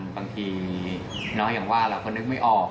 บางทีอย่างว่าเราก็นึกไม่ออก